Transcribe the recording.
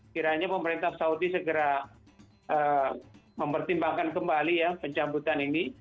kiranya pemerintah saudi segera mempertimbangkan kembali ya pencabutan ini